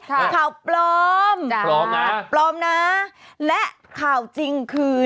ค่ะค่าวปลอมปลอมนะและค่าวจริงคือ